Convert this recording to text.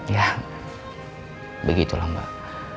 ya begitulah mbak